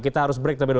kita harus break dulu